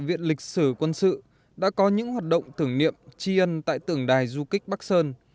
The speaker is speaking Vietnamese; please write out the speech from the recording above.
viện lịch sử quân sự đã có những hoạt động tưởng niệm tri ân tại tượng đài du kích bắc sơn